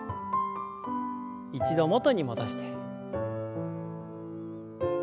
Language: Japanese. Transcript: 一度元に戻して。